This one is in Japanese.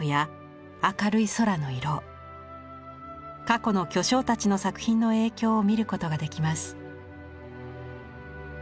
過去の巨匠たちの作品の影響を見ることができます。